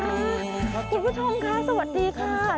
คุณผู้ชมค่ะสวัสดีค่ะ